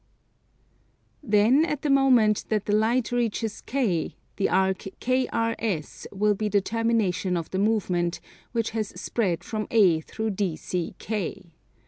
Then at the moment that the light reaches K the arc KRS will be the termination of the movement, which has spread from A through DCK.